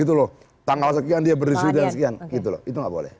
gitu loh tanggal sekian dia berisu dan sekian gitu loh itu tidak boleh